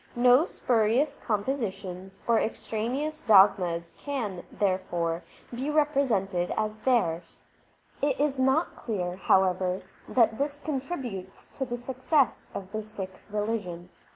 No spurious compositions or extraneous dogmas can, therefore, be represented as theirs. It is not clear, however, that this contributes to the success of the Sikh religion.